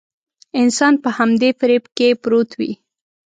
انسان په همدې فريب کې پروت وي.